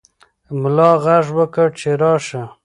ملا غږ وکړ چې راشه.